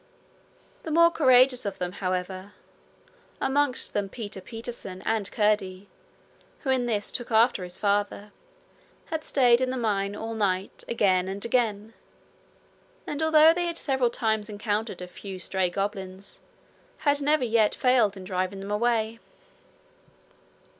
The more courageous of them, however, amongst them Peter Peterson and Curdie, who in this took after his father, had stayed in the mine all night again and again, and although they had several times encountered a few stray goblins, had never yet failed in driving them away.